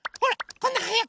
こんなはやく。